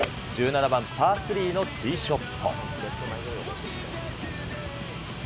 １７番パー３のティーショット。